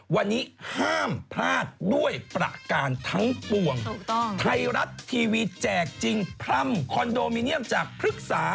วันนี้ห้ามพลาดด้วยประการทั้งปวงไทยรัฐทีวีแจกจริงพร่ำคอนโดมิเนียมจากพฤกษา